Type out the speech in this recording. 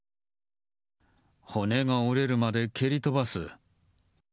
骨が折れるまで蹴り飛ばす。